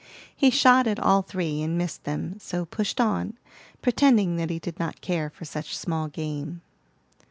He shot at all three and missed them, so pushed on, pretending that he did not care for such small game.